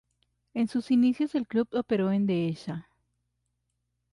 En sus inicios, el club operó en La Dehesa.